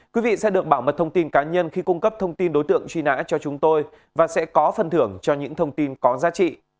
quý vị sẽ được bảo mật thông tin cá nhân khi cung cấp thông tin đối tượng truy nã cho chúng tôi và sẽ có phần thưởng cho những thông tin có giá trị